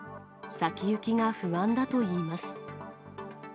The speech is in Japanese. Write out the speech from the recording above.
先行きが不安だといいます。